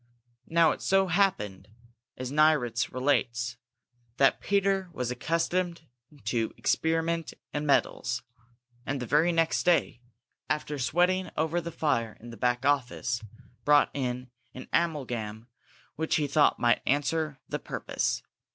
Now it so happened, as Nieritz relates, that Peter was accustomed to experiment in metals, and the very next day, after sweating over the fire in the back office, brought in an amalgam which he thought might answer the purpose.